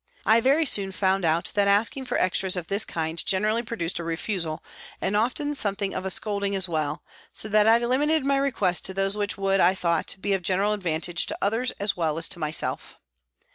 I very soon found out that asking for extras of this kind generally pro duced a refusal and often something of a scolding as well, so that I limited my requests to those which would, I thought, be of general advantage to others as well as to myself.